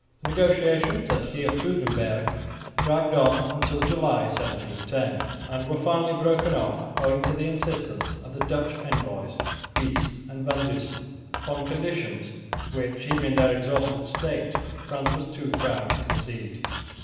The negotiations at Geertruidenberg dragged on until July, 1710, and were finally broken off owing to the insistence of the Dutch envoys, Buys and Van Dussen, upon conditions which, even in her exhausted state, France was too proud to concede.